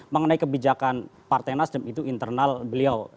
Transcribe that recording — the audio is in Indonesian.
mengenai kebijakan partai nasdem itu internal beliau